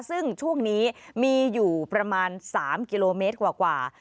ซึ่งช่วงนี้มีอยู่ประมาณ๓กิโลเมตรกว่า